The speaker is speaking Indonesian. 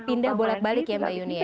pindah bolak balik ya mbak yuni ya